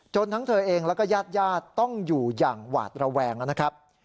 ทั้งเธอเองแล้วก็ญาติญาติต้องอยู่อย่างหวาดระแวงนะครับ